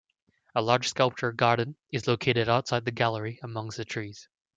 A large sculpture garden is located outside the gallery amongs the trees.